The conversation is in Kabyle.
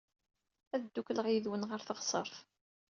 Ad ddukleɣ yid-wen ɣer teɣsert.